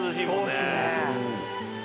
そうっすね。